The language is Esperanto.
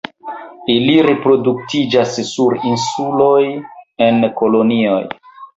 Ili reproduktiĝas sur insuloj en kolonioj.